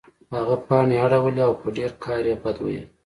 هغه پاڼې اړولې او په ډیر قهر یې بد ویل